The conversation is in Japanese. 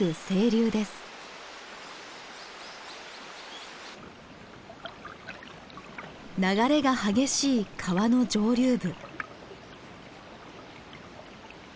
流れが激しい川の上流部。